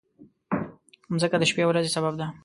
مځکه د شپې او ورځې سبب ده.